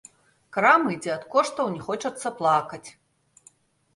Крамы, дзе ад коштаў не хочацца плакаць.